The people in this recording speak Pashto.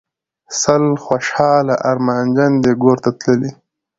سل خوشحاله ارمانجن دي ګورته تللي